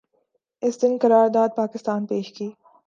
اس دن قرارداد پاکستان پیش کی